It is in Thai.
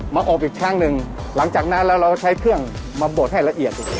อบอีกครั้งหนึ่งหลังจากนั้นแล้วเราก็ใช้เครื่องมาบดให้ละเอียด